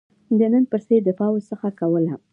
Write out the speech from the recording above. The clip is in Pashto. د نن په څېر دفاع ورڅخه کوله.